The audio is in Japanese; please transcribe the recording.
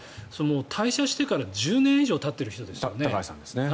退社してから１０年以上たっている人ですよね。